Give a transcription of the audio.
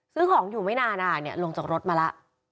ซื้อของอยู่ไม่นานลงจากรถมาแล้ว